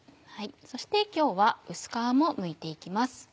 そして今日は薄皮もむいて行きます。